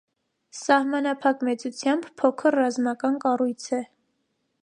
Սահմանափակ մեծությամբ, փոքր ռազմական կառույց է։